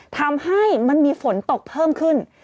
ทำให้มันมีฝนตกเพิ่มขึ้น